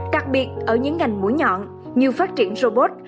đặc biệt ở những ngành mũi nhọn như phát triển robot